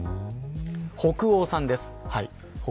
北欧さんです。